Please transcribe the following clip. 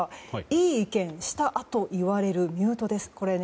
良い意見したあと言われるミュートです。